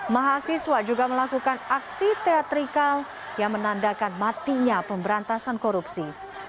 mahasiswa juga melakukan aksi teatrikal yang menandakan matinya pemberantasan korupsi